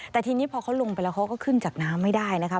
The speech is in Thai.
แต่ทีนี้พอเขาลงไปแล้วเขาก็ขึ้นจากน้ำไม่ได้นะคะ